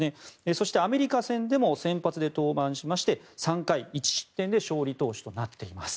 そして、アメリカ戦でも先発で登板しまして３回１失点で勝利投手となっています。